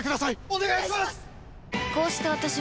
お願いします！